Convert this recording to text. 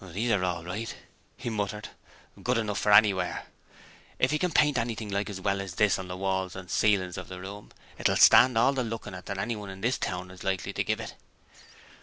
'These are all right,' he muttered. 'Good enough for anywhere. If he can paint anything like as well as this on the walls and ceiling of the room, it will stand all the looking at that anyone in this town is likely to give it.'